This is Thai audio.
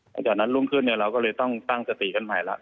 หลังจากนั้นรุ่งขึ้นเราก็เลยต้องตั้งสติกันใหม่แล้ว